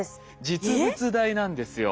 実物大なんですよ。